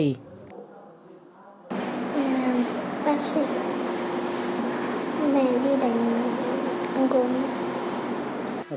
mẹ làm bác sĩ mẹ đi đánh con gối